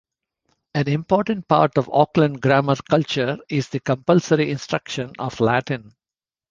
An important part of Auckland Grammar culture is the compulsory instruction of Latin.